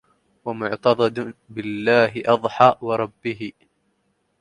ومعتضد بالله أضحى وربه